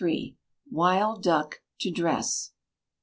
Wild Duck, To Dress.